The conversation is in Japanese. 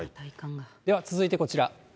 では続いてこちら。